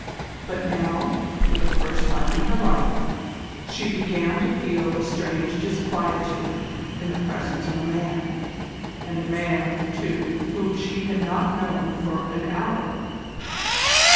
But now, for the first time in her life, she began to feel a strange disquietude in the presence of a man, and a man, too, whom she had not known for an hour.